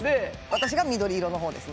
私が緑色のほうですね